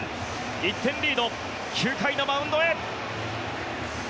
１点リード、９回のマウンドへ。